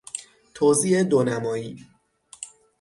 توزیع دو نمایی